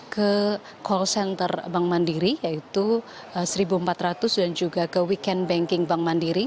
ke call center bank mandiri yaitu seribu empat ratus dan juga ke weekend banking bank mandiri